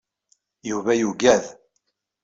Yuba yuggad.